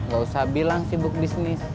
gak usah bilang sibuk bisnis